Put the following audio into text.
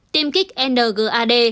tiêm kích ngad